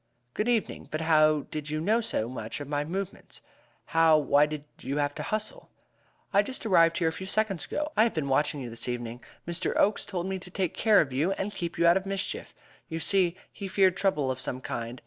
"Good evening! But how did you know so much of my movements how, why, did you have to hustle?" "I just arrived here a few seconds ago. I have been watching you this evening. Mr. Oakes told me to take care of you and keep you out of mischief. You see, he feared trouble of some kind.